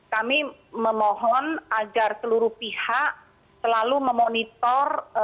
kami memohon agar seluruh pihak selalu memonitor